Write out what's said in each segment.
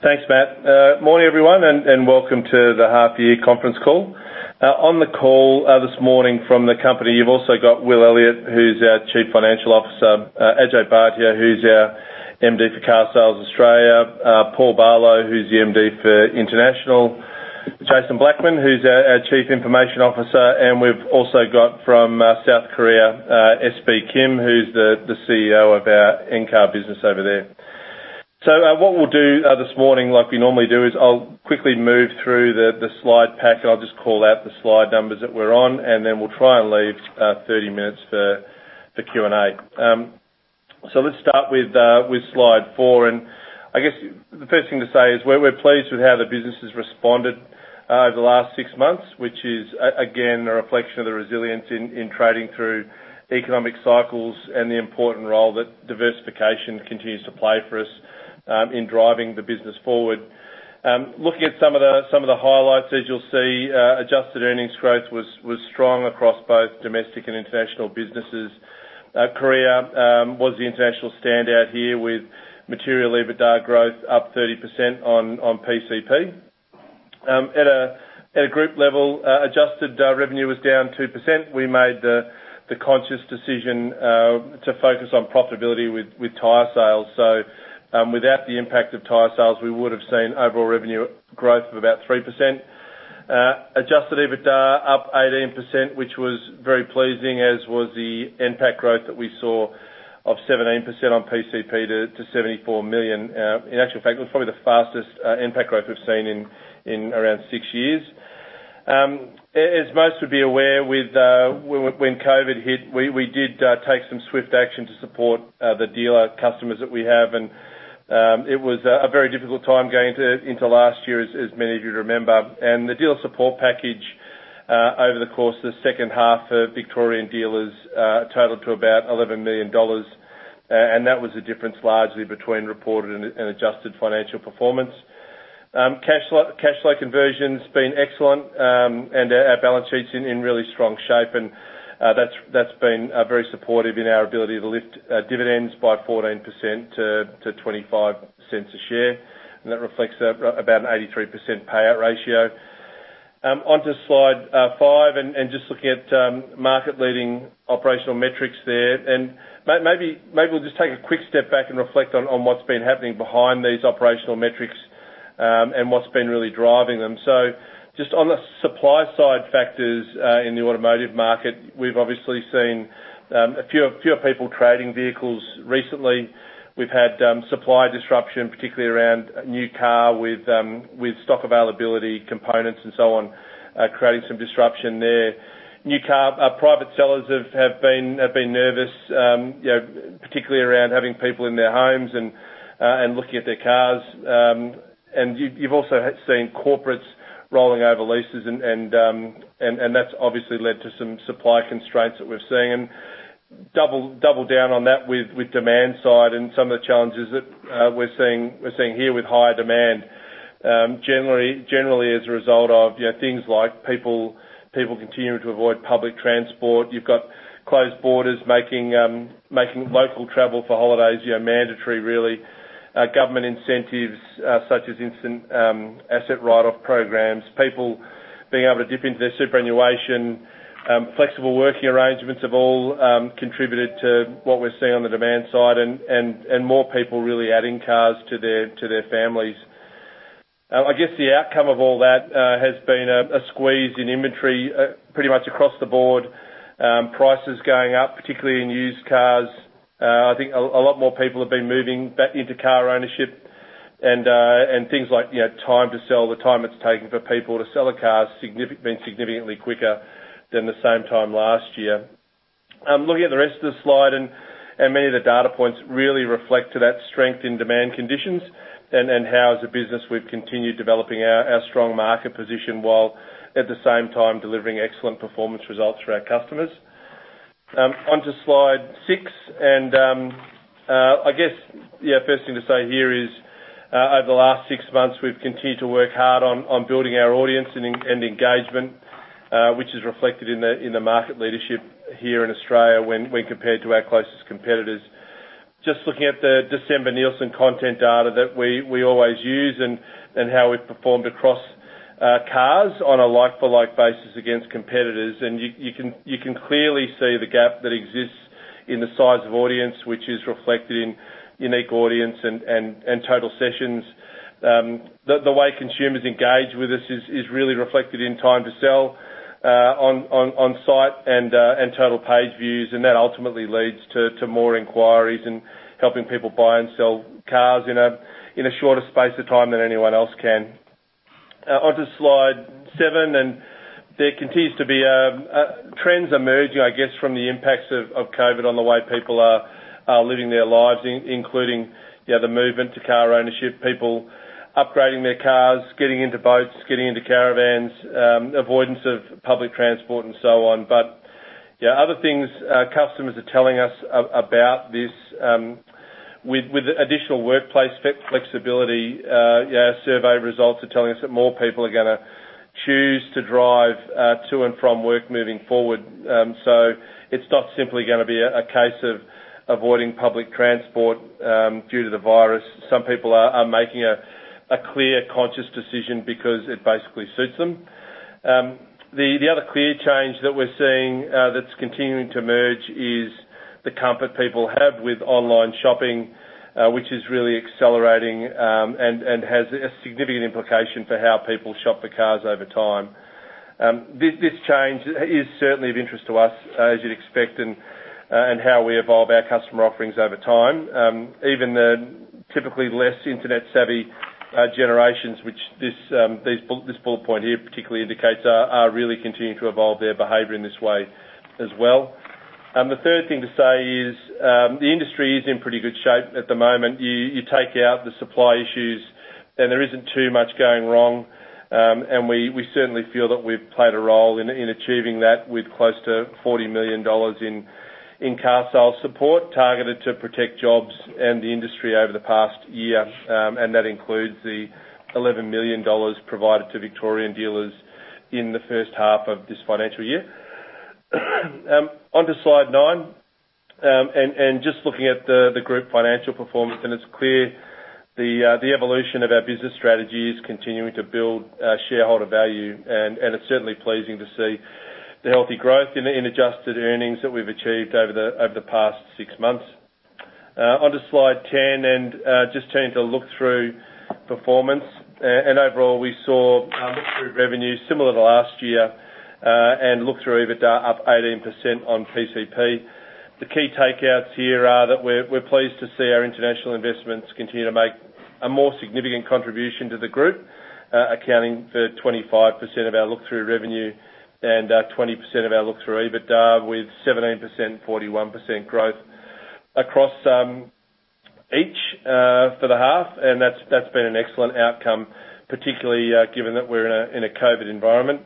Thanks, Matt. Morning, everyone, and welcome to the half-year conference call. On the call this morning from the company, you've also got Will Elliott, who's our Chief Financial Officer, Ajay Bhatia, who's our MD for Carsales Australia, Paul Barlow, who's the MD for International, Jason Blackman, who's our Chief Information Officer, and we've also got from South Korea, SB Kim, who's the CEO of our Encar business over there. What we'll do this morning, like we normally do, is I'll quickly move through the slide pack, and I'll just call out the slide numbers that we're on, and then we'll try and leave 30 minutes for Q&A. Let's start with slide four. I guess the first thing to say is we're pleased with how the business has responded over the last six months, which is, again, a reflection of the resilience in trading through economic cycles and the important role that diversification continues to play for us in driving the business forward. Looking at some of the highlights, as you'll see, adjusted earnings growth was strong across both domestic and international businesses. Korea was the international standout here with material EBITDA growth up 30% on PCP. At a group level, adjusted revenue was down 2%. We made the conscious decision to focus on profitability with tyresales. Without the impact of tyresales, we would have seen overall revenue growth of about 3%. Adjusted EBITDA up 18%, which was very pleasing, as was the NPAT growth that we saw of 17% on PCP to 74 million. In actual fact, it was probably the fastest NPAT growth we've seen in around six years. As most would be aware, when COVID hit, we did take some swift action to support the dealer customers that we have. It was a very difficult time going into last year, as many of you remember. The dealer support package, over the course of the second half for Victorian dealers, totaled to about 11 million dollars. That was the difference largely between reported and adjusted financial performance. Cash flow conversion's been excellent. Our balance sheet's in really strong shape, and that's been very supportive in our ability to lift dividends by 14% to 0.25 a share. That reflects about an 83% payout ratio. On to slide five, just looking at market-leading operational metrics there. Maybe we'll just take a quick step back and reflect on what's been happening behind these operational metrics, and what's been really driving them. Just on the supply side factors in the automotive market, we've obviously seen a few people trading vehicles recently. We've had supply disruption, particularly around new car with stock availability components and so on, creating some disruption there. New car private sellers have been nervous, particularly around having people in their homes and looking at their cars. You've also seen corporates rolling over leases, and that's obviously led to some supply constraints that we're seeing. Double down on that with demand side and some of the challenges that we're seeing here with higher demand. Generally, as a result of things like people continuing to avoid public transport. You've got closed borders making local travel for holidays mandatory, really. Government incentives, such as Instant Asset Write-Off programs, people being able to dip into their superannuation, flexible working arrangements have all contributed to what we're seeing on the demand side, and more people really adding cars to their families. I guess the outcome of all that has been a squeeze in inventory, pretty much across the board. Prices going up, particularly in used cars. I think a lot more people have been moving back into car ownership, and things like time to sell, the time it's taking for people to sell a car has been significantly quicker than the same time last year. Looking at the rest of the slide, many of the data points really reflect to that strength in demand conditions and how as a business we've continued developing our strong market position while at the same time delivering excellent performance results for our customers. On to slide six. I guess, yeah, first thing to say here is, over the last six months, we've continued to work hard on building our audience and engagement, which is reflected in the market leadership here in Australia when compared to our closest competitors. Just looking at the December Nielsen content data that we always use and how we've performed across cars on a like-for-like basis against competitors, you can clearly see the gap that exists in the size of audience, which is reflected in unique audience and total sessions. The way consumers engage with us is really reflected in time to sell on site and total page views, that ultimately leads to more inquiries and helping people buy and sell cars in a shorter space of time than anyone else can. On to slide seven, there continues to be trends emerging, I guess, from the impacts of COVID on the way people are living their lives, including the movement to car ownership, people upgrading their cars, getting into boats, getting into caravans, avoidance of public transport and so on. Other things customers are telling us about this, with additional workplace flexibility, our survey results are telling us that more people are going to choose to drive to and from work moving forward. It's not simply going to be a case of avoiding public transport due to the virus. Some people are making a clear, conscious decision because it basically suits them. The other clear change that we're seeing that's continuing to emerge is the comfort people have with online shopping, which is really accelerating and has a significant implication for how people shop for cars over time. This change is certainly of interest to us, as you'd expect, and how we evolve our customer offerings over time. Even the typically less internet-savvy generations, which this bullet point here particularly indicates, are really continuing to evolve their behavior in this way as well. The third thing to say is the industry is in pretty good shape at the moment. You take out the supply issues, there isn't too much going wrong. We certainly feel that we've played a role in achieving that with close to 40 million dollars in carsales support targeted to protect jobs and the industry over the past year. That includes the 11 million dollars provided to Victorian dealers in the first half of this financial year. On to slide nine. Just looking at the group financial performance, it's clear the evolution of our business strategy is continuing to build shareholder value. It's certainly pleasing to see the healthy growth in adjusted earnings that we've achieved over the past six months. On to slide 10, just turning to look-through performance. Overall, we saw look-through revenue similar to last year, and look-through EBITDA up 18% on PCP. The key takeouts here are that we're pleased to see our international investments continue to make a more significant contribution to the group, accounting for 25% of our look-through revenue and 20% of our look-through EBITDA, with 17%, 41% growth across each for the half. That's been an excellent outcome, particularly given that we're in a COVID environment.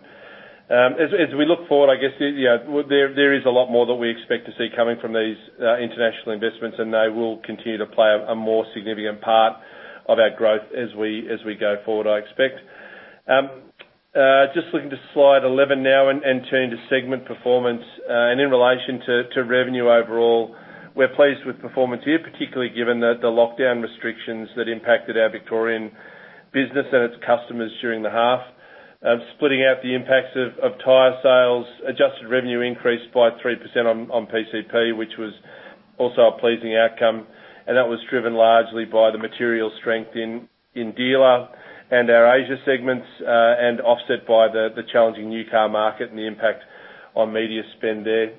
As we look forward, I guess, there is a lot more that we expect to see coming from these international investments, and they will continue to play a more significant part of our growth as we go forward, I expect. Just looking to slide 11 now and turning to segment performance. In relation to revenue overall, we are pleased with performance here, particularly given the lockdown restrictions that impacted our Victorian business and its customers during the half. Splitting out the impacts of tyresales, adjusted revenue increased by 3% on PCP, which was also a pleasing outcome. That was driven largely by the material strength in dealer and our Asia segments, and offset by the challenging new car market and the impact on media spend there.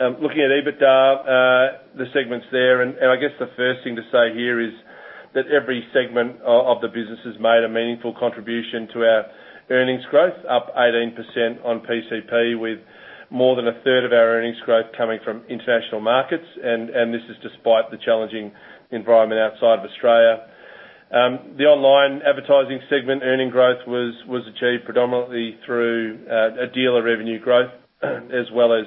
Looking at EBITDA, the segments there. I guess the first thing to say here is that every segment of the business has made a meaningful contribution to our earnings growth, up 18% on PCP, with more than a third of our earnings growth coming from international markets. This is despite the challenging environment outside of Australia. The online advertising segment earning growth was achieved predominantly through dealer revenue growth, as well as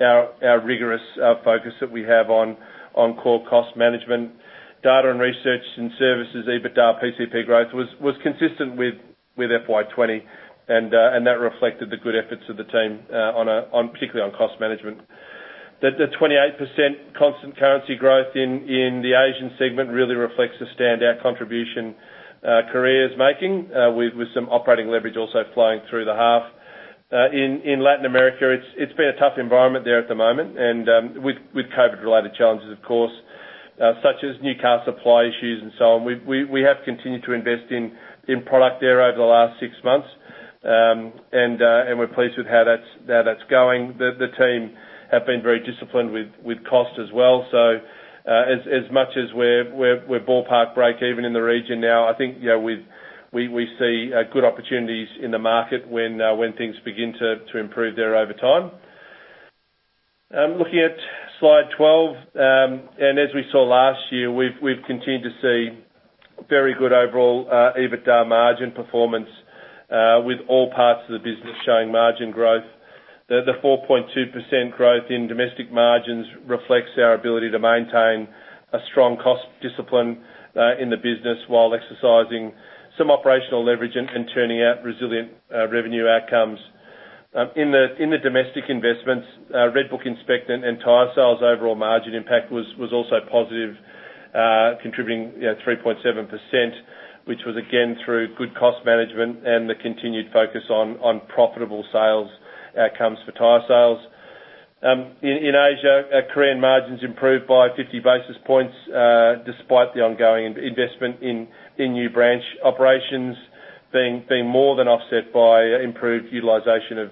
our rigorous focus that we have on core cost management. Data and research and services EBITDA PCP growth was consistent with FY 2020, and that reflected the good efforts of the team, particularly on cost management. The 28% constant currency growth in the Asian segment really reflects the standout contribution Korea is making, with some operating leverage also flowing through the half. In Latin America, it's been a tough environment there at the moment, with COVID-related challenges, of course, such as new car supply issues and so on. We have continued to invest in product there over the last six months, we're pleased with how that's going. The team have been very disciplined with cost as well. As much as we're ballpark breakeven in the region now, I think we see good opportunities in the market when things begin to improve there over time. Looking at slide 12. As we saw last year, we've continued to see very good overall EBITDA margin performance, with all parts of the business showing margin growth. The 4.2% growth in domestic margins reflects our ability to maintain a strong cost discipline in the business while exercising some operational leverage and turning out resilient revenue outcomes. In the domestic investments, RedBook Inspect and tyresales' overall margin impact was also positive, contributing 3.7%, which was again through good cost management and the continued focus on profitable sales outcomes for tyresales. In Asia, Korean margins improved by 50 basis points, despite the ongoing investment in new branch operations being more than offset by improved utilization of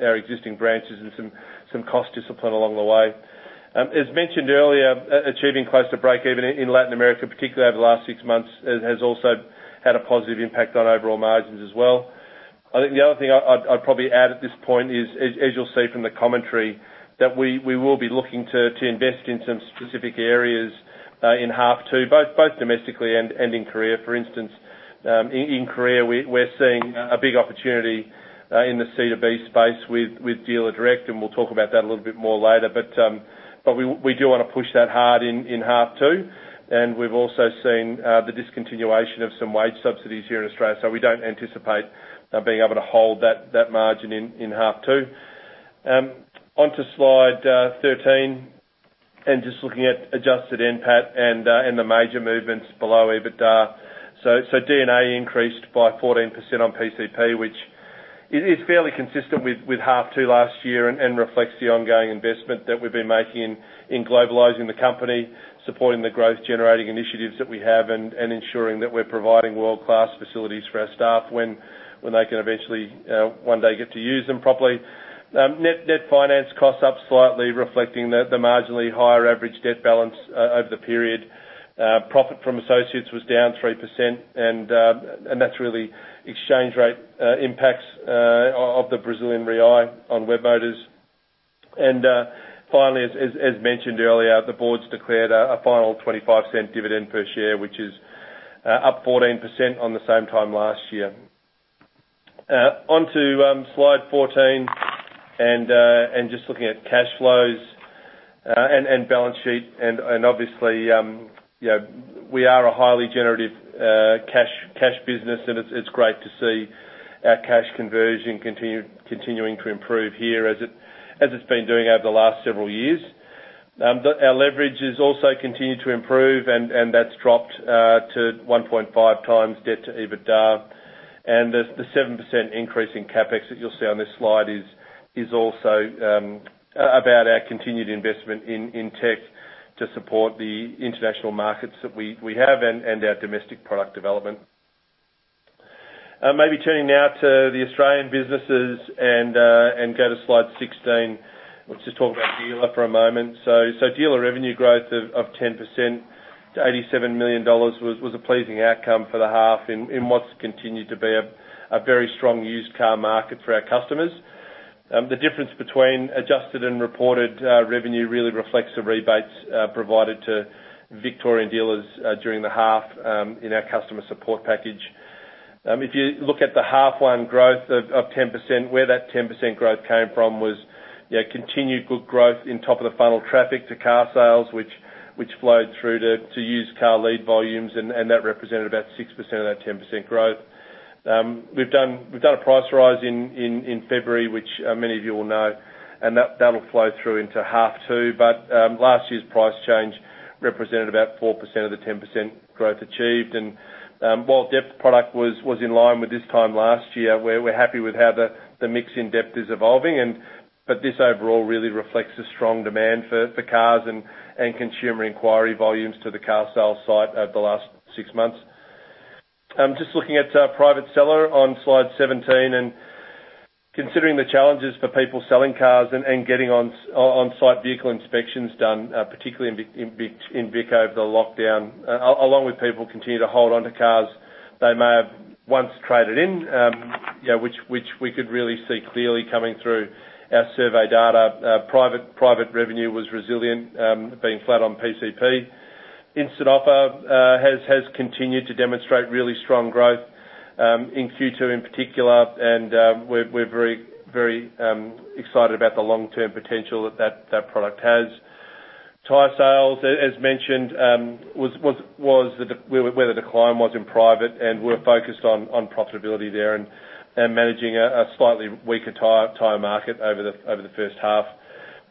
our existing branches and some cost discipline along the way. As mentioned earlier, achieving close to breakeven in Latin America, particularly over the last six months, has also had a positive impact on overall margins as well. I think the other thing I'd probably add at this point is, as you'll see from the commentary, that we will be looking to invest in some specific areas in half two, both domestically and in Korea. For instance, in Korea, we're seeing a big opportunity in the C2B space with Dealer Direct, and we'll talk about that a little bit more later. We do want to push that hard in half two. We've also seen the discontinuation of some wage subsidies here in Australia, so we don't anticipate being able to hold that margin in half two. Just looking at adjusted NPAT and the major movements below EBITDA. D&A increased by 14% on PCP, which is fairly consistent with half two last year and reflects the ongoing investment that we've been making in globalizing the company, supporting the growth-generating initiatives that we have, and ensuring that we're providing world-class facilities for our staff when they can eventually one day get to use them properly. Net debt finance costs up slightly, reflecting the marginally higher average debt balance over the period. Profit from associates was down 3%. That's really exchange rate impacts of the Brazilian real on Webmotors. Finally, as mentioned earlier, the boards declared a final 0.25 dividend per share, which is up 14% on the same time last year. Onto slide 14, just looking at cash flows and balance sheet. Obviously, we are a highly generative cash business. It's great to see our cash conversion continuing to improve here as it's been doing over the last several years. Our leverage has also continued to improve. That's dropped to 1.5 times debt to EBITDA. The 7% increase in CapEx that you'll see on this slide is also about our continued investment in tech to support the international markets that we have and our domestic product development. Maybe turning now to the Australian businesses and go to slide 16. Let's just talk about Dealer for a moment. Dealer revenue growth of 10% to 87 million dollars was a pleasing outcome for the half in what's continued to be a very strong used car market for our customers. The difference between adjusted and reported revenue really reflects the rebates provided to Victorian dealers during the half in our customer support package. If you look at the half 1 growth of 10%, where that 10% growth came from was continued good growth in top of the funnel traffic to carsales, which flowed through to used car lead volumes, and that represented about 6% of that 10% growth. We've done a price rise in February, which many of you will know, and that'll flow through into half two. Last year's price change represented about 4% of the 10% growth achieved. While depth product was in line with this time last year, we're happy with how the mix in depth is evolving. This overall really reflects the strong demand for cars and consumer inquiry volumes to the carsales site over the last six months. Just looking at Private Seller on slide 17, and considering the challenges for people selling cars and getting on-site vehicle inspections done, particularly in Vic over the lockdown, along with people continue to hold on to cars they may have once traded in, which we could really see clearly coming through our survey data. Private revenue was resilient, being flat on PCP. Instant Offer has continued to demonstrate really strong growth, in Q2 in particular. We're very excited about the long-term potential that product has. TyreSales, as mentioned, where the decline was in private, we're focused on profitability there and managing a slightly weaker tire market over the first half.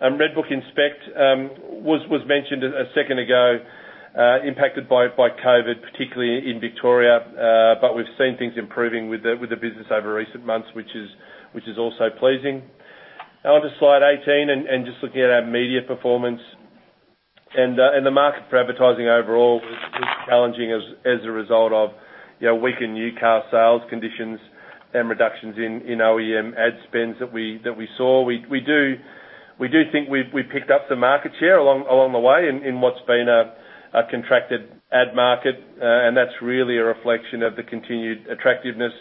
RedBook Inspect was mentioned a second ago, impacted by COVID, particularly in Victoria. We've seen things improving with the business over recent months, which is also pleasing. On to slide 18 and just looking at our media performance. The market for advertising overall was challenging as a result of weakened new car sales conditions and reductions in OEM ad spends that we saw. We do think we picked up some market share along the way in what's been a contracted ad market. That's really a reflection of the continued attractiveness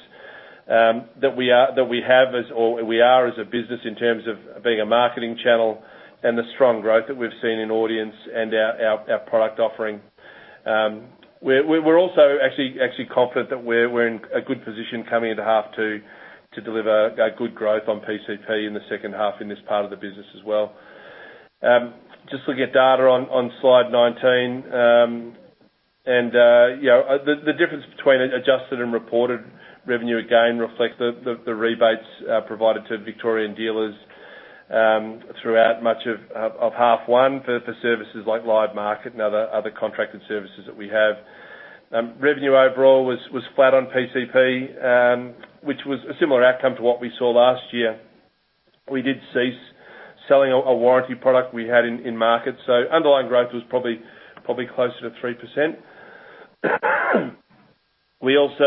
that we have, or we are as a business in terms of being a marketing channel and the strong growth that we've seen in audience and our product offering. We're also actually confident that we're in a good position coming into half two to deliver a good growth on PCP in the second half in this part of the business as well. Just looking at data on slide 19. The difference between adjusted and reported revenue, again, reflects the rebates provided to Victorian dealers throughout much of half one for services like LiveMarket and other contracted services that we have. Revenue overall was flat on PCP, which was a similar outcome to what we saw last year. We did cease selling a warranty product we had in market, so underlying growth was probably closer to 3%. We also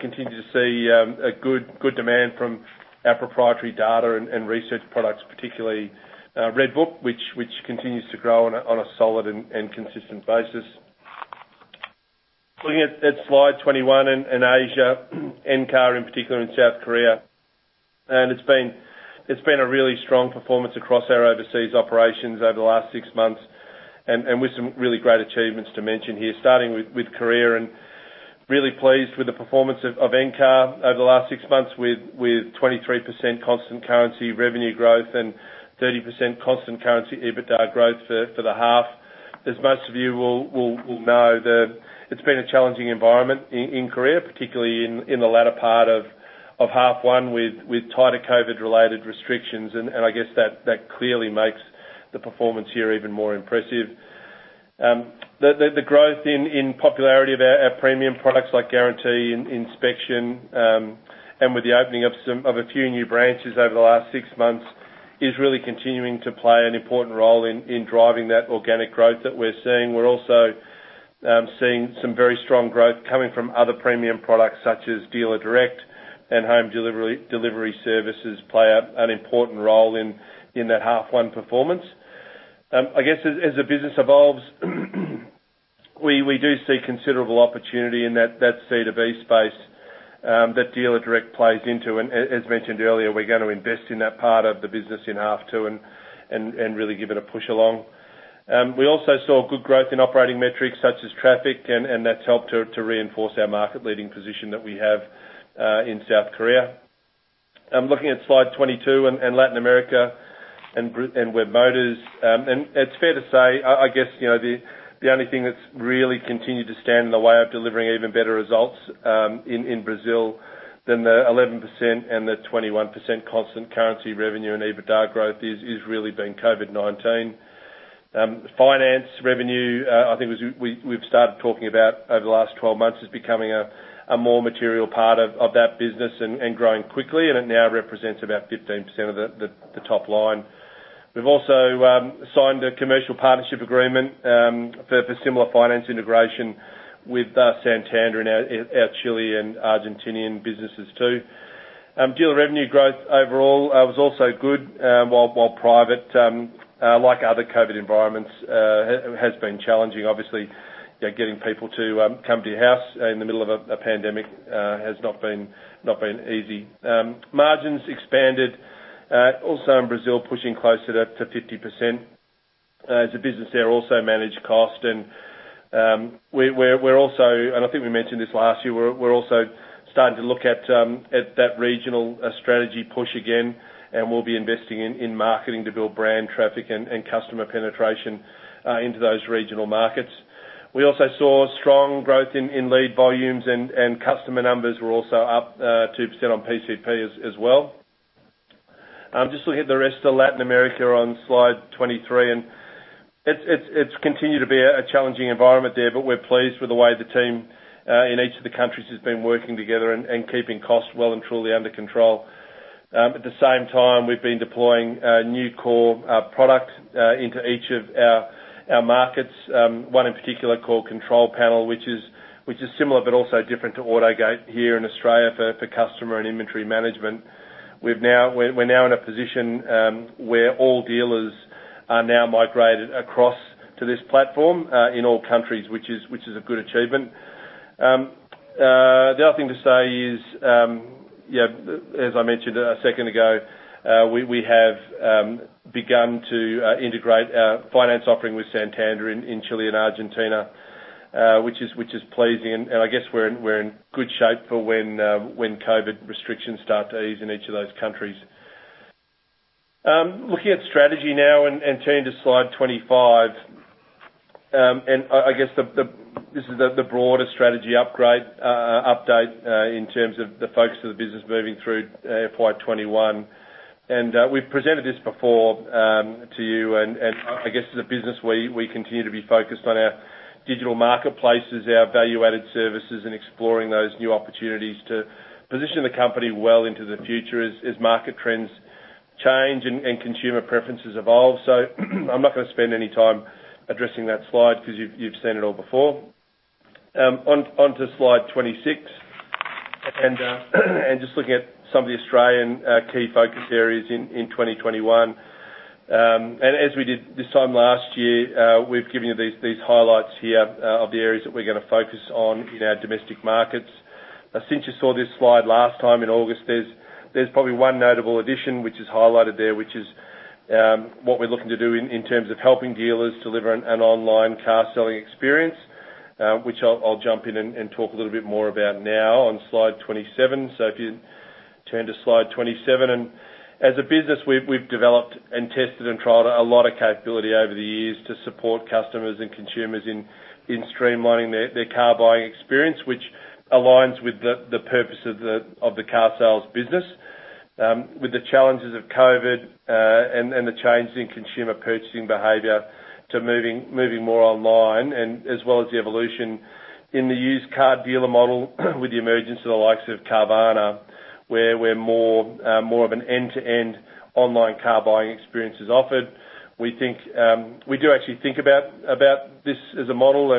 continue to see a good demand from our proprietary data and research products, particularly RedBook, which continues to grow on a solid and consistent basis. Looking at slide 21 in Asia, Encar in particular in South Korea. It's been a really strong performance across our overseas operations over the last six months, with some really great achievements to mention here, starting with Korea. Really pleased with the performance of Encar over the last six months, with 23% constant currency revenue growth and 30% constant currency EBITDA growth for the half. As most of you will know, it's been a challenging environment in Korea, particularly in the latter part of half one with tighter COVID-related restrictions. I guess that clearly makes the performance here even more impressive. The growth in popularity of our premium products, like Guarantee and inspection, and with the opening of a few new branches over the last six months, is really continuing to play an important role in driving that organic growth that we're seeing. We're also seeing some very strong growth coming from other premium products, such as Dealer Direct and home delivery services play an important role in that half one performance. I guess, as the business evolves, we do see considerable opportunity in that C2B space that Dealer Direct plays into. As mentioned earlier, we're going to invest in that part of the business in half two and really give it a push along. We also saw good growth in operating metrics such as traffic, and that's helped to reinforce our market-leading position that we have in South Korea. Looking at slide 22 and Latin America and Webmotors. It's fair to say, I guess, the only thing that's really continued to stand in the way of delivering even better results in Brazil than the 11% and the 21% constant currency revenue and EBITDA growth is really been COVID-19. Finance revenue, I think we've started talking about over the last 12 months, is becoming a more material part of that business and growing quickly, and it now represents about 15% of the top line. We've also signed a commercial partnership agreement, for similar finance integration with Santander in our Chile and Argentinian businesses, too. Dealer revenue growth overall was also good, while private, like other COVID environments, has been challenging. Obviously, getting people to come to your house in the middle of a pandemic has not been easy. Margins expanded also in Brazil, pushing closer to 50%. As a business there, also managed cost. I think we mentioned this last year, we're also starting to look at that regional strategy push again, and we'll be investing in marketing to build brand traffic and customer penetration into those regional markets. We also saw strong growth in lead volumes, and customer numbers were also up 2% on PCP as well. Just looking at the rest of Latin America on slide 23, and it's continued to be a challenging environment there, but we're pleased with the way the team in each of the countries has been working together and keeping costs well and truly under control. At the same time, we've been deploying a new core product into each of our markets. One in particular called Control Panel, which is similar but also different to AutoGate here in Australia for customer and inventory management. We're now in a position where all dealers are now migrated across to this platform in all countries, which is a good achievement. The other thing to say is, as I mentioned a second ago, we have begun to integrate our finance offering with Santander in Chile and Argentina, which is pleasing. I guess we're in good shape for when COVID restrictions start to ease in each of those countries. Looking at strategy now and turning to slide 25. I guess, this is the broader strategy update, in terms of the focus of the business moving through FY 2021. We've presented this before to you, and I guess as a business, we continue to be focused on our digital marketplaces, our value-added services, and exploring those new opportunities to position the company well into the future as market trends change and consumer preferences evolve. I'm not going to spend any time addressing that slide because you've seen it all before. On to slide 26. Just looking at some of the Australian key focus areas in 2021. As we did this time last year, we've given you these highlights here of the areas that we're going to focus on in our domestic markets. Since you saw this slide last time in August, there's probably one notable addition, which is highlighted there, which is what we're looking to do in terms of helping dealers deliver an online car selling experience, which I'll jump in and talk a little bit more about now on slide 27. If you turn to slide 27. As a business, we've developed and tested and trialed a lot of capability over the years to support customers and consumers in streamlining their car-buying experience, which aligns with the purpose of the carsales business. With the challenges of COVID and the change in consumer purchasing behavior to moving more online, and as well as the evolution in the used car dealer model with the emergence of the likes of Carvana, where more of an end-to-end online car buying experience is offered. We do actually think about this as a model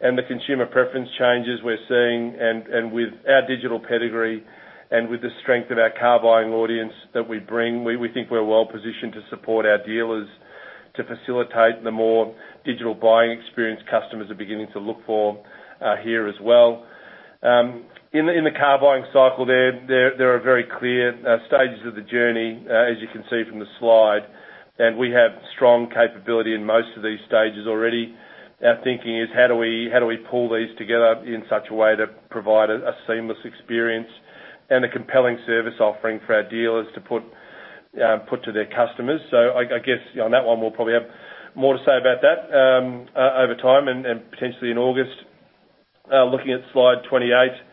and the consumer preference changes we're seeing. With our digital pedigree and with the strength of our car-buying audience that we bring, we think we're well positioned to support our dealers to facilitate the more digital buying experience customers are beginning to look for here as well. In the car buying cycle, there are very clear stages of the journey, as you can see from the slide. We have strong capability in most of these stages already. Our thinking is, how do we pull these together in such a way to provide a seamless experience and a compelling service offering for our dealers to put to their customers? I guess, on that one, we'll probably have more to say about that over time, and potentially in August. Looking at slide 28,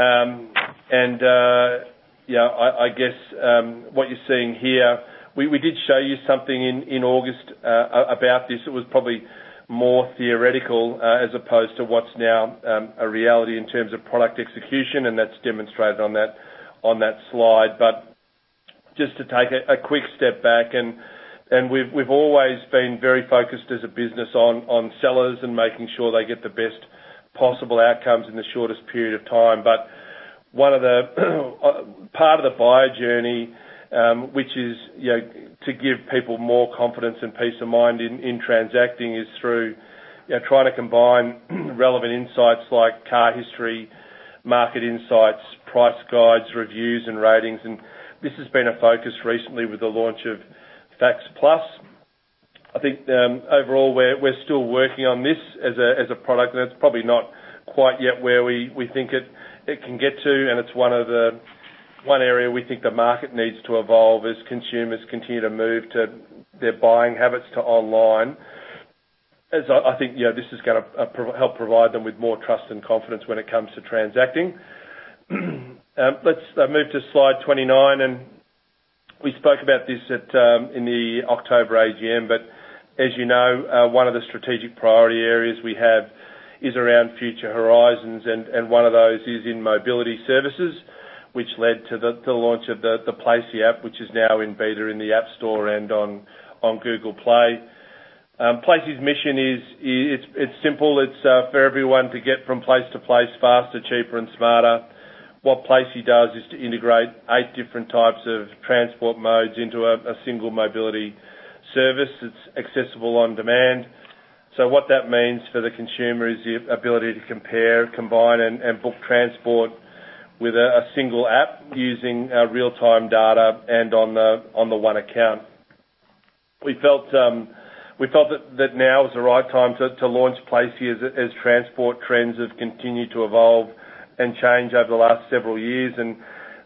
and I guess, what you're seeing here, we did show you something in August about this. It was probably more theoretical as opposed to what's now a reality in terms of product execution, and that's demonstrated on that slide. Just to take a quick step back, and we've always been very focused as a business on sellers and making sure they get the best possible outcomes in the shortest period of time. Part of the buyer journey, which is to give people more confidence and peace of mind in transacting, is through trying to combine relevant insights like car history, market insights, price guides, reviews, and ratings. This has been a focus recently with the launch of Facts+. I think overall, we're still working on this as a product, and it's probably not quite yet where we think it can get to, and it's one area we think the market needs to evolve as consumers continue to move their buying habits to online. I think, this is going to help provide them with more trust and confidence when it comes to transacting. Let's move to slide 29, and we spoke about this in the October AGM. As you know, one of the strategic priority areas we have is around future horizons, and one of those is in mobility services, which led to the launch of the Placie app, which is now in beta in the App Store and on Google Play. Placie's mission is simple. It's for everyone to get from place to place faster, cheaper, and smarter. What Placie does is to integrate eight different types of transport modes into a single mobility service that's accessible on demand. What that means for the consumer is the ability to compare, combine, and book transport with a single app using real-time data and on the one account. We felt that now is the right time to launch Placie as transport trends have continued to evolve and change over the last several years.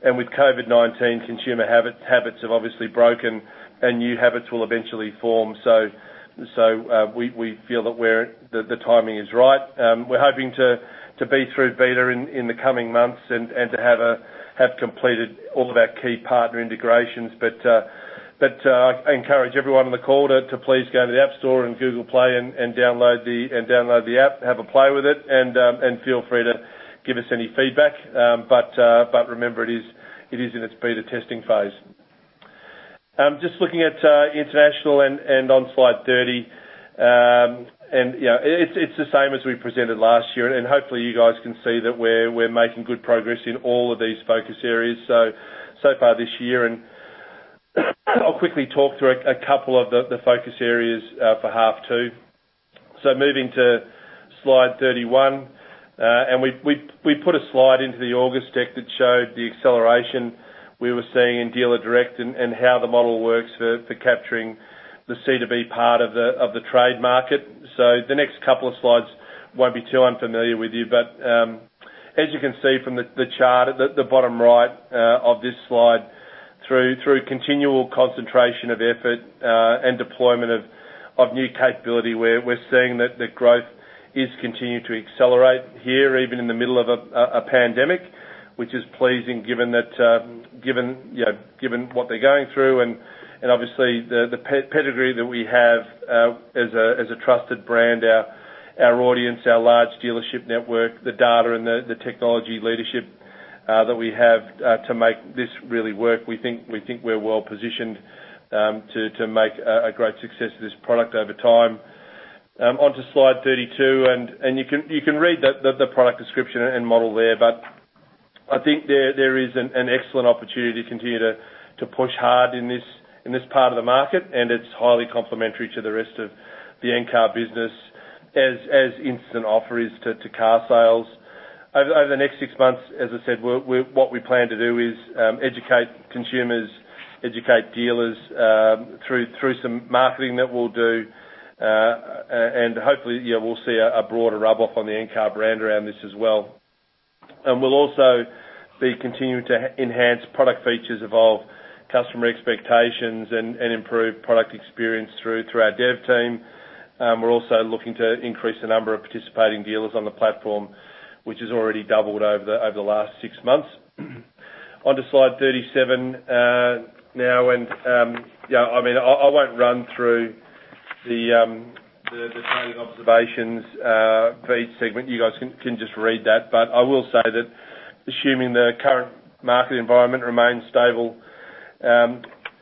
With COVID-19, consumer habits have obviously broken, and new habits will eventually form. We feel that the timing is right. We're hoping to be through beta in the coming months and to have completed all of our key partner integrations. I encourage everyone on the call to please go into the App Store and Google Play and download the app, have a play with it, and feel free to give us any feedback. Remember, it is in its beta testing phase. Just looking at international and on slide 30, it's the same as we presented last year, and hopefully, you guys can see that we're making good progress in all of these focus areas so far this year, and I'll quickly talk through a couple of the focus areas for half two. Moving to slide 31. We put a slide into the August deck that showed the acceleration we were seeing in Dealer Direct and how the model works for capturing the C2B part of the trade market. The next couple of slides won't be too unfamiliar with you, but as you can see from the chart at the bottom right of this slide, through continual concentration of effort, and deployment of new capability, we're seeing that the growth is continuing to accelerate here, even in the middle of a pandemic, which is pleasing given what they're going through. Obviously, the pedigree that we have as a trusted brand, our audience, our large dealership network, the data, and the technology leadership that we have to make this really work. We think we're well positioned to make a great success of this product over time. On to slide 32, and you can read the product description and model there, but I think there is an excellent opportunity to continue to push hard in this part of the market, and it's highly complementary to the rest of the Encar business as Instant Offer is to carsales. Over the next six months, as I said, what we plan to do is educate consumers, educate dealers through some marketing that we'll do, and hopefully, we'll see a broader rub-off on the Encar brand around this as well. We'll also be continuing to enhance product features, evolve customer expectations, and improve product experience through our dev team. We're also looking to increase the number of participating dealers on the platform, which has already doubled over the last six months. On to slide 37. I won't run through the trading observations for each segment. You guys can just read that. I will say that assuming the current market environment remains stable,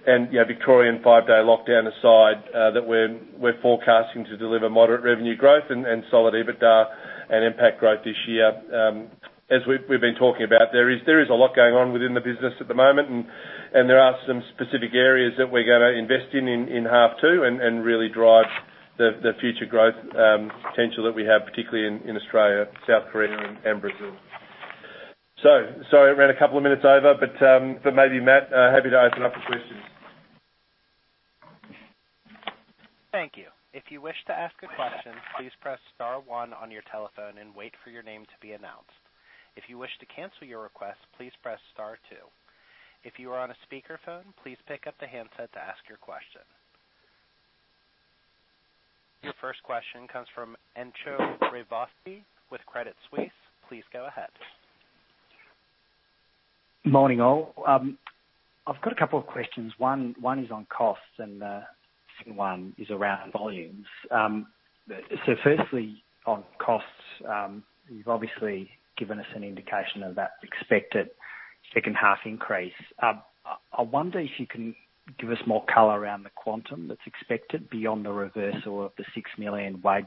and Victorian five-day lockdown aside, that we're forecasting to deliver moderate revenue growth and solid EBITDA and NPAT growth this year. As we've been talking about, there is a lot going on within the business at the moment, and there are some specific areas that we're going to invest in in half two and really drive the future growth potential that we have, particularly in Australia, South Korea, and Brazil. Sorry, I ran a couple of minutes over, maybe Matt, happy to open up for questions. Thank you. If you wish to ask a question, please press star one on your telephone and wait for your name to be announced. If you wish to cancel your request, please press star two. If you are on a speakerphone, please pick up the handset to ask your question. Your first question comes from Entcho Raykovski with Credit Suisse. Please go ahead. Morning, all. I've got a couple of questions. One is on costs and the second one is around volumes. Firstly, on costs, you've obviously given us an indication of that expected second half increase. I wonder if you can give us more color around the quantum that's expected beyond the reversal of the 6 million wage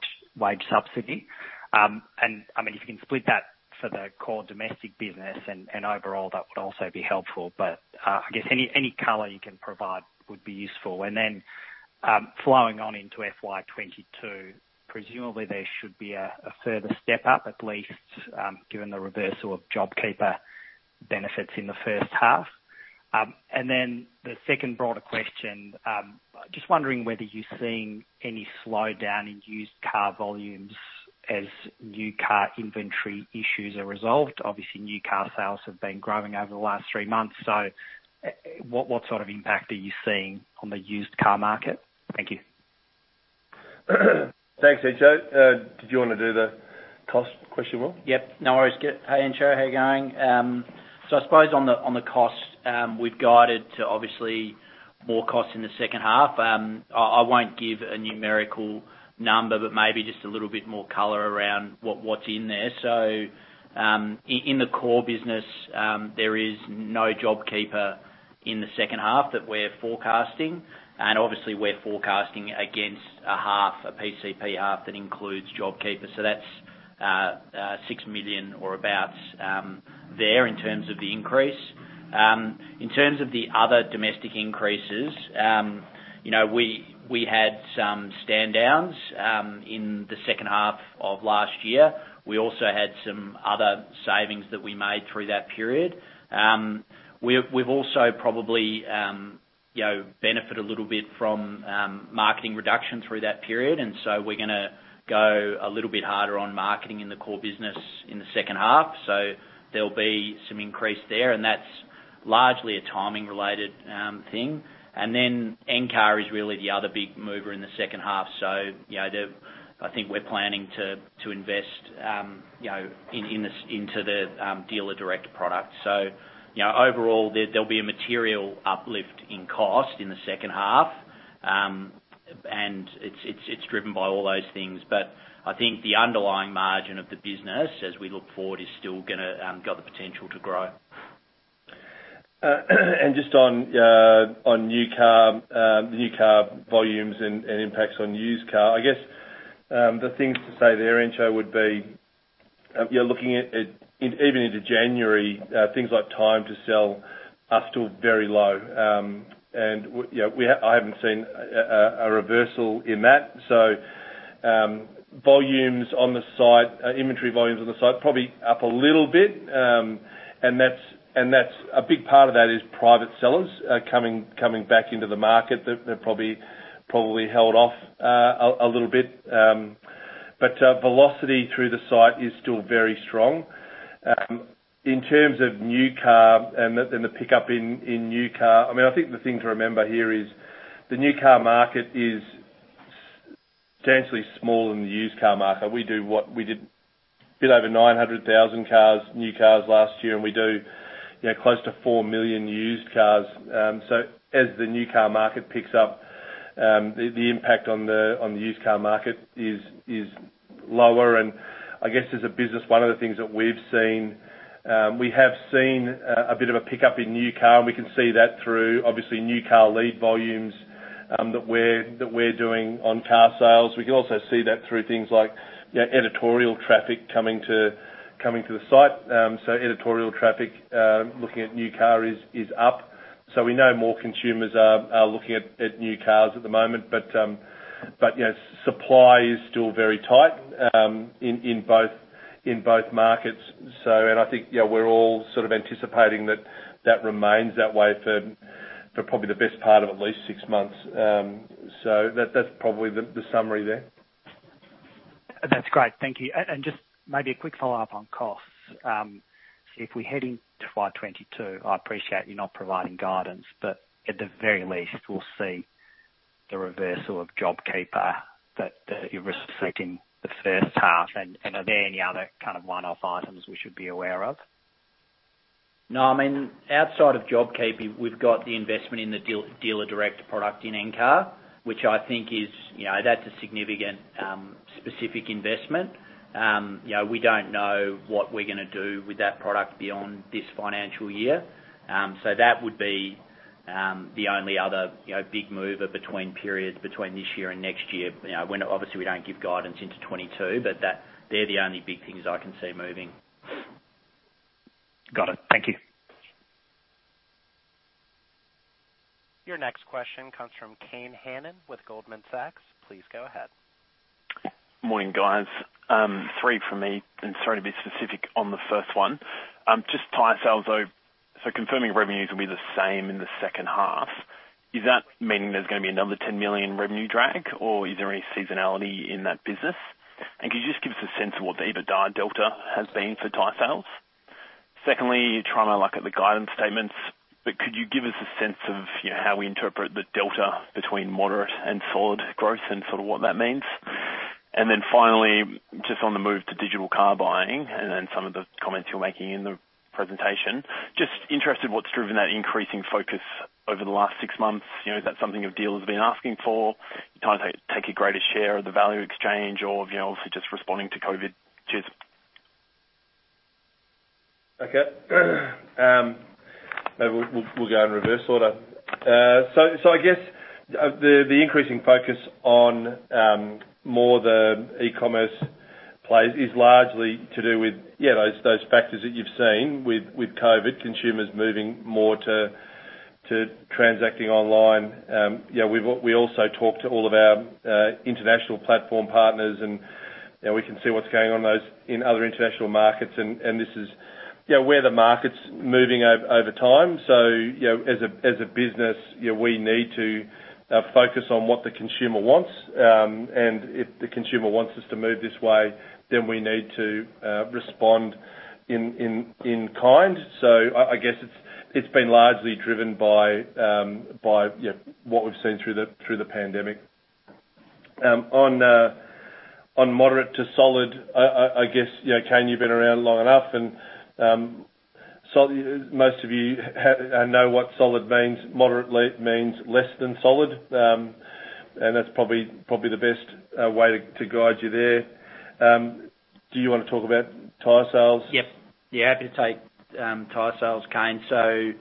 subsidy. If you can split that for the core domestic business and overall, that would also be helpful. I guess any color you can provide would be useful. Flowing on into FY 2022, presumably there should be a further step up at least, given the reversal of JobKeeper Payment benefits in the first half. The second broader question, just wondering whether you're seeing any slowdown in used car volumes as new car inventory issues are resolved. Obviously, new car sales have been growing over the last three months. What sort of impact are you seeing on the used car market? Thank you. Thanks, Entcho. Did you want to do the cost question, Will? Yep, no worries. Hey, Entcho, how you going? I suppose on the cost, we've guided to obviously more cost in the second half. I won't give a numerical number, but maybe just a little bit more color around what's in there. In the core business, there is no JobKeeper in the second half that we're forecasting, and obviously we're forecasting against a PCP half that includes JobKeeper. That's 6 million or about there in terms of the increase. In terms of the other domestic increases, we had some stand downs in the second half of last year. We also had some other savings that we made through that period. We've also probably benefited a little bit from marketing reduction through that period. We're going to go a little bit harder on marketing in the core business in the second half. There'll be some increase there, and that's largely a timing-related thing. Then Encar is really the other big mover in the second half. I think we're planning to invest into the Dealer Direct product. Overall, there'll be a material uplift in cost in the second half, and it's driven by all those things. I think the underlying margin of the business, as we look forward, has still got the potential to grow. Just on new car volumes and impacts on used car, I guess, the things to say there, Entcho, would be you're looking at, even into January, things like time to sell are still very low. I haven't seen a reversal in that. Inventory volumes on the site are probably up a little bit. A big part of that is private sellers coming back into the market that have probably held off a little bit. Velocity through the site is still very strong. In terms of new car and the pickup in new car, I think the thing to remember here is the new car market is substantially smaller than the used car market. We did a bit over 900,000 new cars last year, and we do close to 4 million used cars. As the new car market picks up, the impact on the used car market is lower. I guess as a business, one of the things that we've seen, we have seen a bit of a pickup in new car, and we can see that through obviously new car lead volumes that we're doing on carsales. We can also see that through things like editorial traffic coming to the site. Editorial traffic looking at new car is up. We know more consumers are looking at new cars at the moment. Supply is still very tight in both markets. I think we're all sort of anticipating that remains that way for probably the best part of at least six months. That's probably the summary there. Just maybe a quick follow-up on costs. If we head into FY 2022, I appreciate you're not providing guidance, but at the very least, we'll see the reversal of JobKeeper that you're reflecting the first half. Are there any other kind of one-off items we should be aware of? No, outside of JobKeeper, we've got the investment in the Dealer Direct product in Encar, which I think that's a significant, specific investment. We don't know what we're going to do with that product beyond this financial year. That would be the only other big mover between periods between this year and next year. Obviously, we don't give guidance into FY 2022, but they're the only big things I can see moving. Got it. Thank you. Your next question comes from Kane Hannan with Goldman Sachs. Please go ahead. Morning, guys. Three from me. Sorry to be specific on the first one. Just tyresales though, confirming revenues will be the same in the second half. Is that meaning there's going to be another 10 million revenue drag, or is there any seasonality in that business? Could you just give us a sense of what the EBITDA delta has been for tyresales? Secondly, you're trying to look at the guidance statements. Could you give us a sense of how we interpret the delta between moderate and solid growth and sort of what that means? Finally, just on the move to digital car buying and then some of the comments you're making in the presentation. Just interested what's driven that increasing focus over the last six months. Is that something a dealer's been asking for? You trying to take a greater share of the value exchange or obviously just responding to COVID? Cheers. Okay. Maybe we'll go in reverse order. I guess the increasing focus on more the e-commerce plays is largely to do with those factors that you've seen with COVID, consumers moving more to transacting online. We also talk to all of our international platform partners and we can see what's going on in other international markets, and this is where the market's moving over time. As a business, we need to focus on what the consumer wants, and if the consumer wants us to move this way, then we need to respond in kind. I guess it's been largely driven by what we've seen through the pandemic. On moderate to solid, I guess, Kane, you've been around long enough and most of you know what solid means. Moderate means less than solid. That's probably the best way to guide you there. Do you want to talk about tyresales? Yep. Yeah. Happy to take tyresales, Kane.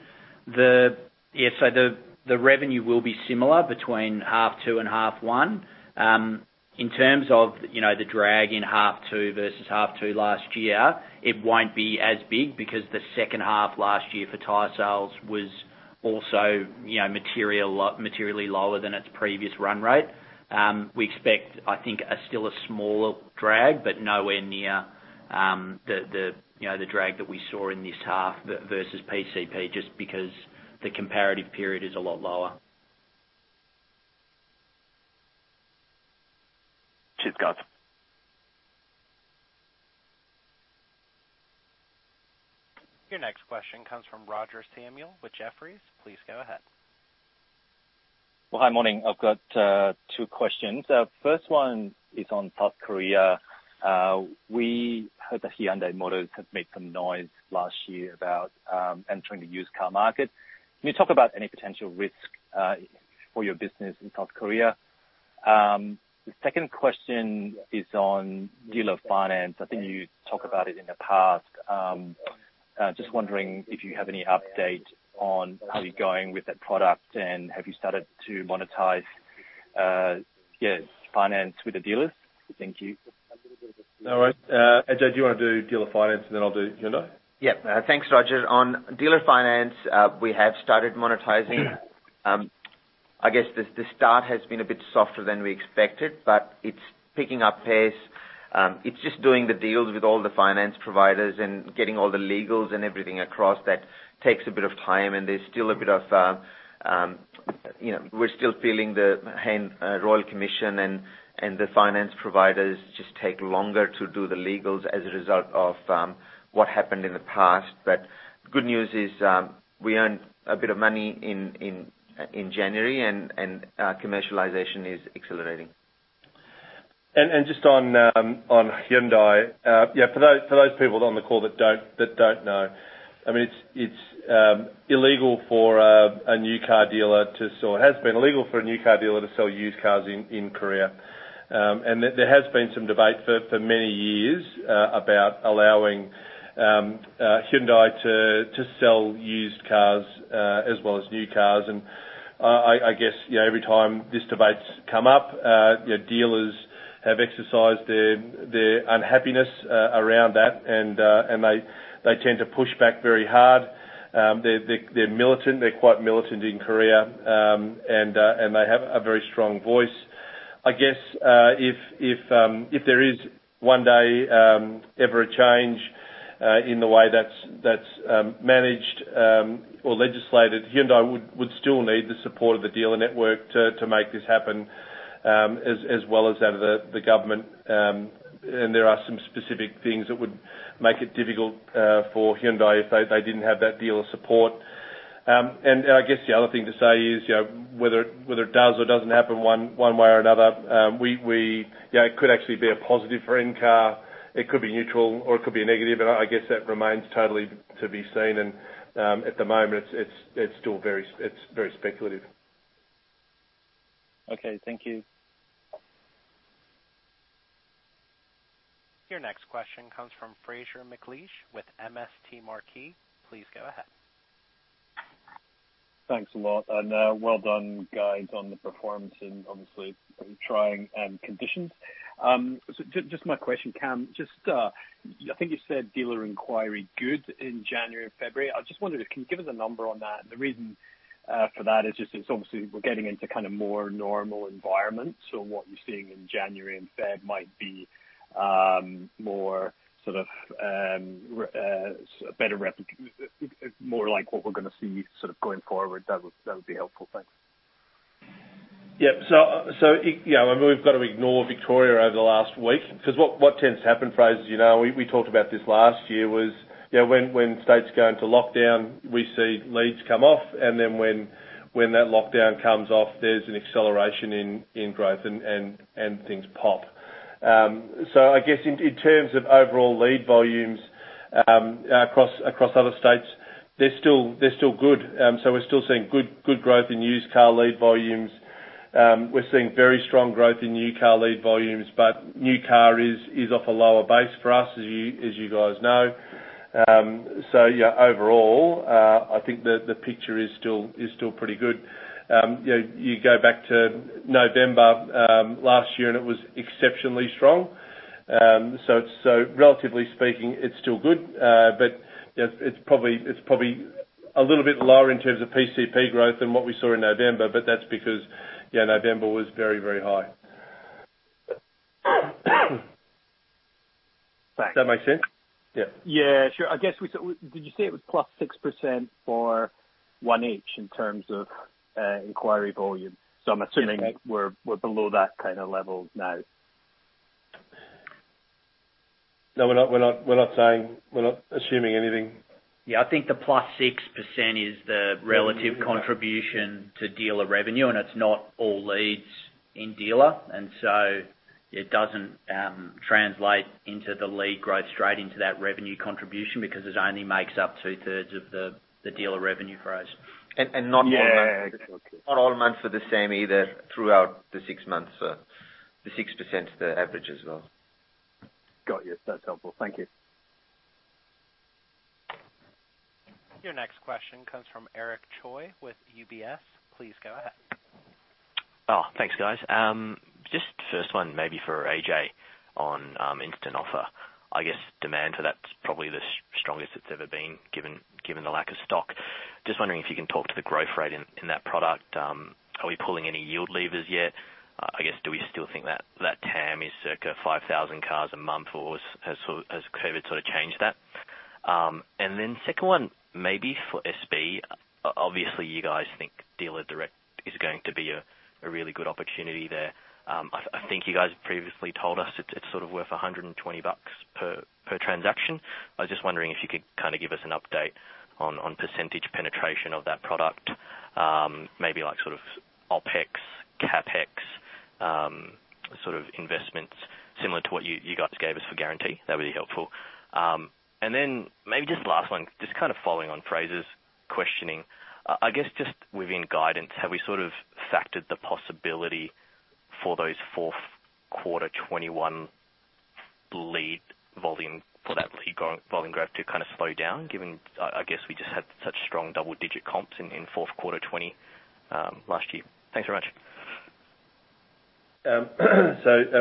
The revenue will be similar between half two and half one. In terms of the drag in half two versus half two last year, it won't be as big because the second half last year for tyresales was also materially lower than its previous run rate. We expect, I think, still a smaller drag, but nowhere near the drag that we saw in this half versus PCP, just because the comparative period is a lot lower. Cheers. Bye. Your next question comes from Roger Samuel with Jefferies. Please go ahead. Well, hi, morning. I've got two questions. First one is on South Korea. We heard that Hyundai Motors have made some noise last year about entering the used car market. Can you talk about any potential risk for your business in South Korea? The second question is on dealer finance. I think you talked about it in the past. Just wondering if you have any update on how you're going with that product and have you started to monetize finance with the dealers? Thank you. All right. Ajay, do you want to do dealer finance, and then I'll do Hyundai? Thanks, Roger. On dealer finance, we have started monetizing. I guess the start has been a bit softer than we expected, but it's picking up pace. It's just doing the deals with all the finance providers and getting all the legals and everything across that takes a bit of time, and we're still feeling the Royal Commission and the finance providers just take longer to do the legals as a result of what happened in the past. Good news is, we earned a bit of money in January, and commercialization is accelerating. Just on Hyundai. For those people on the call that don't know, it's illegal for a new car dealer to sell, or has been illegal for a new car dealer to sell used cars in Korea. There has been some debate for many years about allowing Hyundai to sell used cars as well as new cars. I guess every time these debates come up, dealers have exercised their unhappiness around that and they tend to push back very hard. They're militant. They're quite militant in Korea. They have a very strong voice. I guess, if there is one day ever a change in the way that's managed or legislated, Hyundai would still need the support of the dealer network to make this happen, as well as that of the government. There are some specific things that would make it difficult for Hyundai if they didn't have that dealer support. I guess the other thing to say is, whether it does or doesn't happen one way or another, it could actually be a positive for Encar, it could be neutral, or it could be a negative. I guess that remains totally to be seen, and at the moment, it's still very speculative. Okay. Thank you. Your next question comes from Fraser McLeish with MST Marquee. Please go ahead. Thanks a lot, well done, guys, on the performance in obviously trying conditions. Just my question, Cameron, I think you said dealer inquiry good in January and February. I just wondered, can you give us a number on that? It's just obviously we're getting into more normal environments. What you're seeing in January and February might be more like what we're going to see going forward. That would be helpful. Thanks. We've got to ignore Victoria over the last week, because what tends to happen, Fraser, as you know, we talked about this last year, was when states go into lockdown, we see leads come off, and then when that lockdown comes off, there's an acceleration in growth and things pop. I guess in terms of overall lead volumes across other states, they're still good. We're still seeing good growth in used car lead volumes. We're seeing very strong growth in new car lead volumes, but new car is off a lower base for us, as you guys know. Overall, I think the picture is still pretty good. You go back to November last year, and it was exceptionally strong. Relatively speaking, it's still good. It's probably a little bit lower in terms of PCP growth than what we saw in November, but that's because November was very, very high. Thanks. Does that make sense? Yeah. Yeah, sure. Did you say it was plus 6% for 1H in terms of inquiry volume? Yeah we're below that kind of level now. No, we're not assuming anything. Yeah. I think the +6% is the relative contribution to dealer revenue, and it's not all leads in dealer. It doesn't translate into the lead growth straight into that revenue contribution because it only makes up two-thirds of the dealer revenue for us. Yeah. Not all months are the same either throughout the six months. The 6% is the average as well. Got you. That's helpful. Thank you. Your next question comes from Eric Choi with UBS. Please go ahead. Oh, thanks, guys. Just first one maybe for Ajay on Instant Offer. I guess demand for that's probably the strongest it's ever been, given the lack of stock. Just wondering if you can talk to the growth rate in that product. Are we pulling any yield levers yet? I guess, do we still think that TAM is circa 5,000 cars a month, or has COVID sort of changed that? Then second one, maybe for SB. Obviously, you guys think Dealer Direct is going to be a really good opportunity there. I think you guys previously told us it's sort of worth 120 bucks per transaction. I was just wondering if you could kind of give us an update on percentage penetration of that product. Maybe like sort of OpEx, CapEx sort of investments similar to what you guys gave us for Guarantee. That'd be helpful. Maybe just last one, just kind of following on Fraser’s questioning. I guess just within guidance, have we sort of factored the possibility for that lead volume growth to kind of slow down, given, I guess, we just had such strong double-digit comps in fourth quarter 2020 last year? Thanks very much.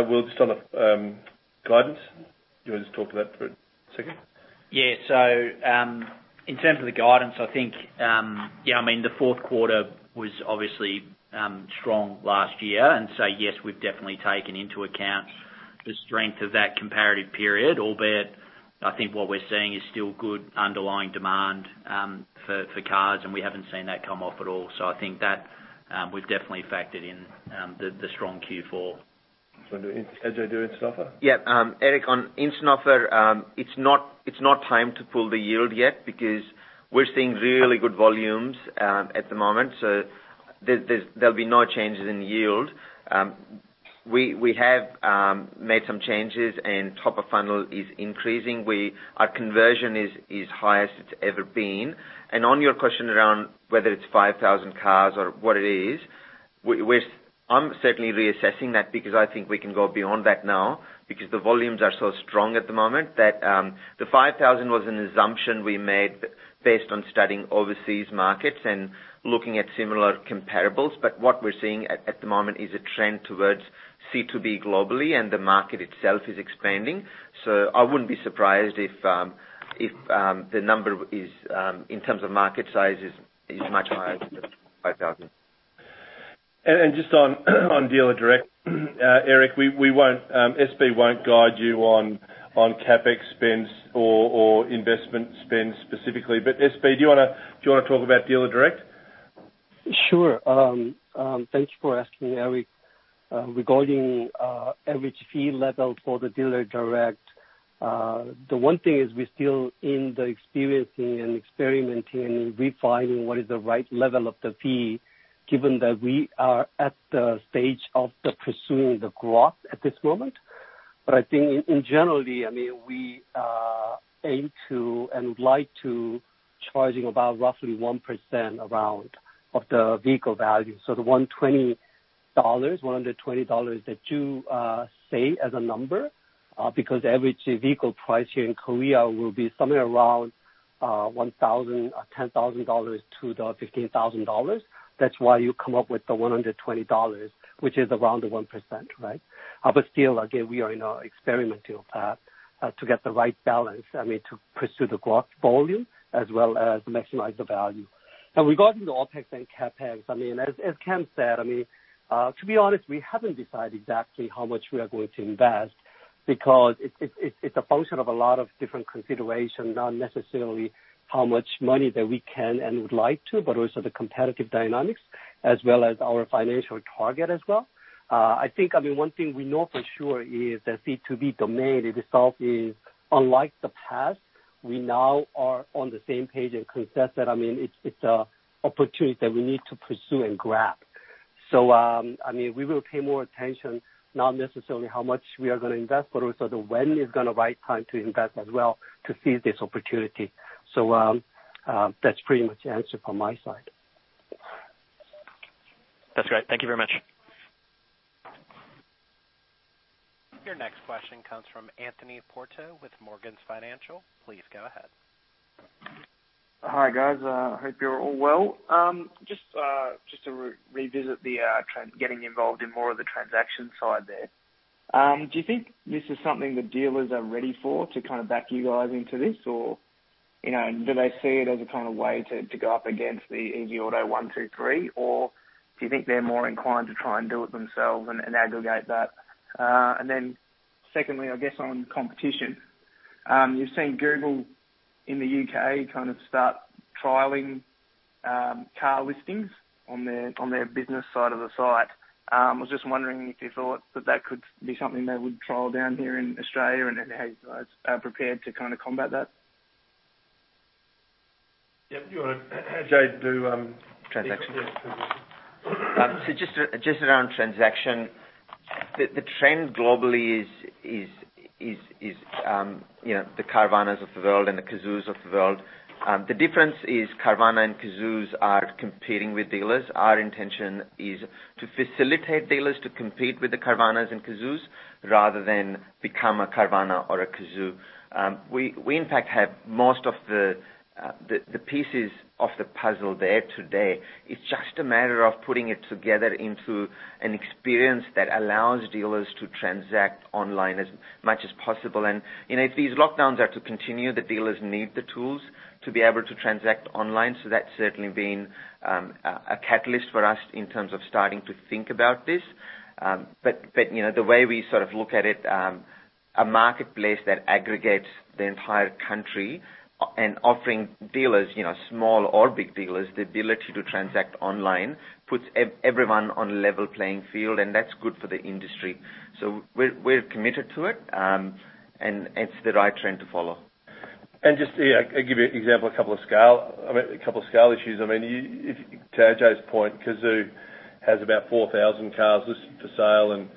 Will, just on the guidance. Do you want to just talk to that for a second? Yeah. In terms of the guidance, I think the fourth quarter was obviously strong last year. Yes, we've definitely taken into account the strength of that comparative period. Albeit, I think what we're seeing is still good underlying demand for cars, and we haven't seen that come off at all. I think that we've definitely factored in the strong Q4. Ajay, do Instant Offer. Yeah. Eric, on Instant Offer, it's not time to pull the yield yet because we're seeing really good volumes at the moment. There'll be no changes in yield. We have made some changes and top of funnel is increasing. Our conversion is highest it's ever been. On your question around whether it's 5,000 cars or what it is, I'm certainly reassessing that because I think we can go beyond that now because the volumes are so strong at the moment. The 5,000 was an assumption we made based on studying overseas markets and looking at similar comparables. What we're seeing at the moment is a trend towards C2B globally, and the market itself is expanding. I wouldn't be surprised if the number, in terms of market size, is much higher than 5,000. Just on Dealer Direct, Eric, SB won't guide you on CapEx spends or investment spends specifically. SB, do you want to talk about Dealer Direct? Sure. Thanks for asking, Eric. Regarding average fee level for the Dealer Direct, the one thing is we're still in the experiencing and experimenting and refining what is the right level of the fee, given that we are at the stage of pursuing the growth at this moment. I think in general, we aim to, and would like to, charging about roughly 1% around of the vehicle value. So the 120 dollars that you say as a number. Because average vehicle price here in Korea will be somewhere around 10,000-15,000 dollars. That's why you come up with the 120 dollars, which is around the 1%. Still, again, we are in our experimental path to get the right balance, to pursue the growth volume as well as maximize the value. Regarding the OpEx and CapEx, as Cameron said, to be honest, we haven't decided exactly how much we are going to invest because it's a function of a lot of different considerations, not necessarily how much money that we can and would like to, but also the competitive dynamics as well as our financial target as well. I think, one thing we know for sure is the C2B domain itself is, unlike the past, we now are on the same page and can invest that. It's a opportunity that we need to pursue and grab. We will pay more attention, not necessarily how much we are going to invest, but also the when is going to right time to invest as well to seize this opportunity. That's pretty much the answer from my side. That's great. Thank you very much. Your next question comes from Anthony Porto with Morgans Financial. Please go ahead. Hi, guys. I hope you're all well. Just to revisit the getting involved in more of the transaction side there. Do you think this is something the dealers are ready for to kind of back you guys into this? Do they see it as a way to go up against the easyauto123? Do you think they're more inclined to try and do it themselves and aggregate that? Secondly, I guess on competition. You've seen Google in the U.K. kind of start trialing car listings on their business side of the site. I was just wondering if you thought that that could be something they would trial down here in Australia, and then how you guys are prepared to combat that. Yep. You want to, Ajay? Transactions. Yeah. Transactions. Just around transaction, the trend globally is the Carvanas of the world and the Cazoos of the world. The difference is Carvana and Cazoos are competing with dealers. Our intention is to facilitate dealers to compete with the Carvanas and Cazoos, rather than become a Carvana or a Cazoo. We, in fact, have most of the pieces of the puzzle there today. It's just a matter of putting it together into an experience that allows dealers to transact online as much as possible. If these lockdowns are to continue, the dealers need the tools to be able to transact online. That's certainly been a catalyst for us in terms of starting to think about this. The way we sort of look at it, a marketplace that aggregates the entire country and offering dealers, small or big dealers, the ability to transact online puts everyone on a level playing field, and that's good for the industry. We're committed to it, and it's the right trend to follow. Just to give you an example, a couple of scale issues. To Ajay's point, Cazoo has about 4,000 cars listed for sale, and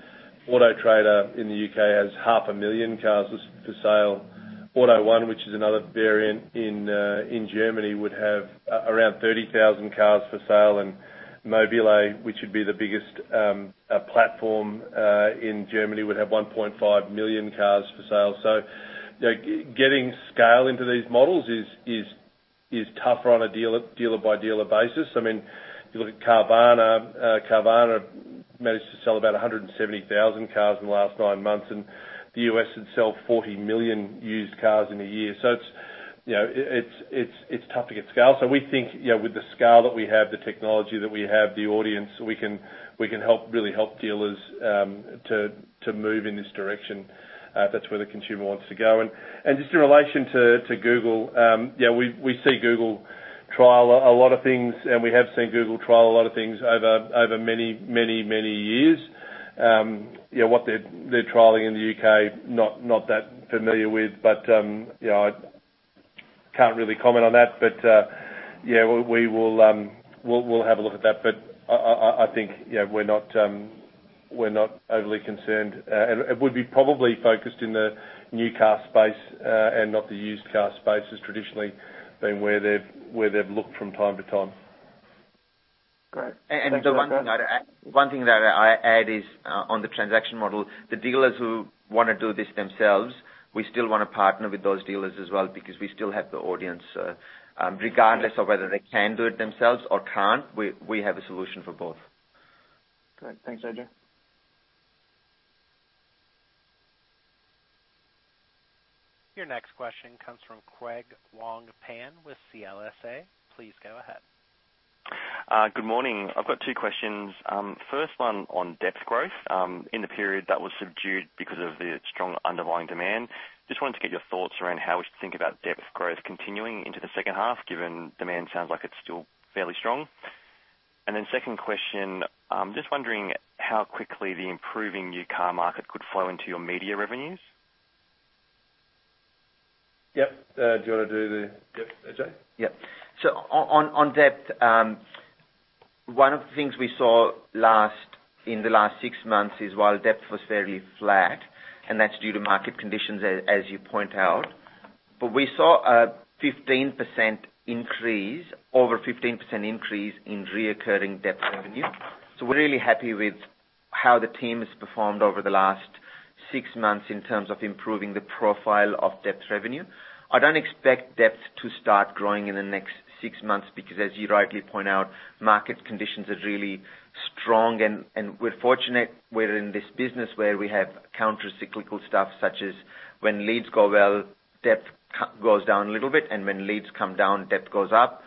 Auto Trader in the U.K. has 500,000 cars listed for sale. AUTO1, which is another variant in Germany, would have around 30,000 cars for sale. mobile.de, which would be the biggest platform in Germany, would have 1.5 million cars for sale. Getting scale into these models is tougher on a dealer-by-dealer basis. You look at Carvana. Carvana managed to sell about 170,000 cars in the last nine months, and the U.S. had sold 40 million used cars in a year. It's tough to get scale. We think, with the scale that we have, the technology that we have, the audience, we can really help dealers to move in this direction if that's where the consumer wants to go. Just in relation to Google, we see Google trial a lot of things, and we have seen Google trial a lot of things over many years. What they're trialing in the U.K., not that familiar with. I can't really comment on that. We'll have a look at that. I think we're not overly concerned. It would be probably focused in the new car space and not the used car space, has traditionally been where they've looked from time to time. Great. Thanks very much, guys. The one thing that I add is on the transaction model. The dealers who want to do this themselves, we still want to partner with those dealers as well because we still have the audience. Regardless of whether they can do it themselves or can't, we have a solution for both. Great. Thanks, Ajay. Your next question comes from Craig Wong-Pan with CLSA. Please go ahead. Good morning. I've got two questions. First one on depth growth. In the period that was subdued because of the strong underlying demand. Just wanted to get your thoughts around how we should think about depth growth continuing into the second half, given demand sounds like it's still fairly strong. Second question, just wondering how quickly the improving new car market could flow into your media revenues. Yep. Do you want to do? Yep. Ajay? Yep. On depth, one of the things we saw in the last six months is while depth was fairly flat, and that's due to market conditions as you point out, but we saw a 15% increase, over 15% increase in recurring depth revenue. We're really happy with how the team has performed over the last six months in terms of improving the profile of depth revenue. I don't expect depth to start growing in the next six months because, as you rightly point out, market conditions are really strong and we're fortunate we're in this business where we have counter-cyclical stuff, such as when leads go well, depth goes down a little bit, and when leads come down, depth goes up.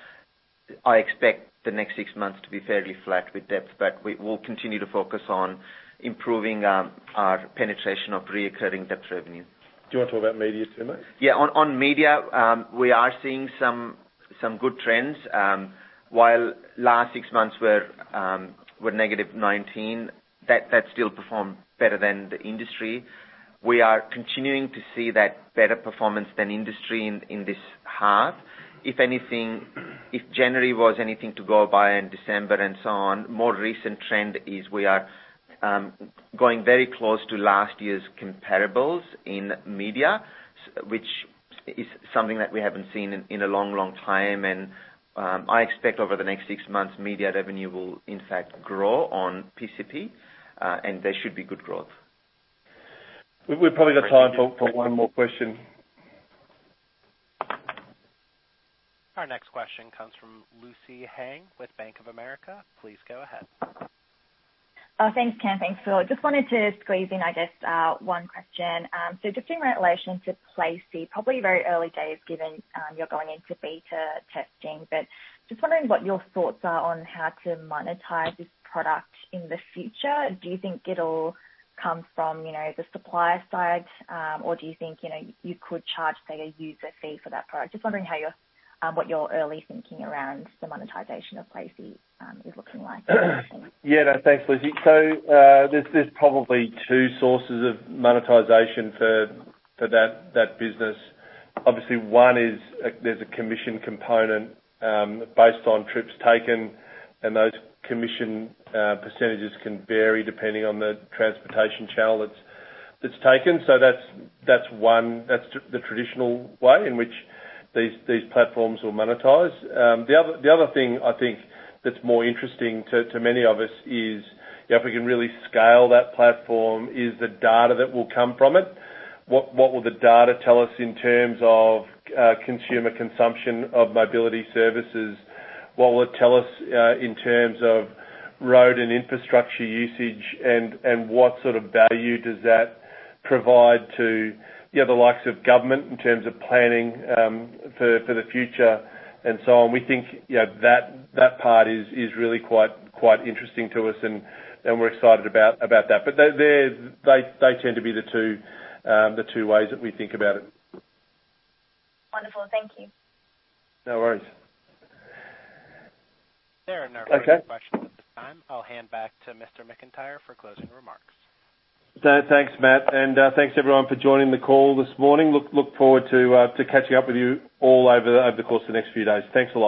I expect the next six months to be fairly flat with depth, but we will continue to focus on improving our penetration of recurring depth revenue. Do you want to talk about media too, mate? On media, we are seeing some good trends. While last six months were -19%, that still performed better than the industry. We are continuing to see that better performance than industry in this half. If January was anything to go by, and December and so on, more recent trend is we are going very close to last year's comparables in media, which is something that we haven't seen in a long time. I expect over the next six months, media revenue will in fact grow on PCP, and there should be good growth. We've probably got time for one more question. Our next question comes from Lucy Huang with Bank of America. Please go ahead. Thanks, Cameron. Thanks, Will. Just wanted to squeeze in, I guess, one question. Just in relation to Placie, probably very early days, given you're going into beta testing, but just wondering what your thoughts are on how to monetize this product in the future. Do you think it'll come from the supplier side, or do you think you could charge, say, a user fee for that product? Just wondering what your early thinking around the monetization of Placé is looking like. Yeah. No, thanks, Lucy. There's probably two sources of monetization for that business. Obviously, one is there's a commission component based on trips taken, and those commission percentages can vary depending on the transportation channel that's taken. That's the traditional way in which these platforms will monetize. The other thing I think that's more interesting to many of us is, if we can really scale that platform, is the data that will come from it. What will the data tell us in terms of consumer consumption of mobility services? What will it tell us in terms of road and infrastructure usage, and what sort of value does that provide to the likes of government in terms of planning for the future and so on? We think that part is really quite interesting to us, and we're excited about that. They tend to be the two ways that we think about it. Wonderful. Thank you. No worries. There are no further questions at this time. I'll hand back to Mr. McIntyre for closing remarks. Thanks, Matt, and thanks everyone for joining the call this morning. Look forward to catching up with you all over the course of the next few days. Thanks a lot.